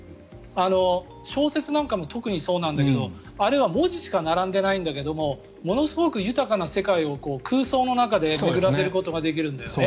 小説なんかも特にそうなんだけどあれは文字しか並んでいないんだけれどもものすごく豊かな世界を空想の中で巡らせることができるんだよね。